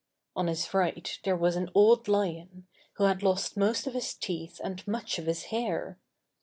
On his right there was an old Lion, who had lost most of his teeth and much of his hair.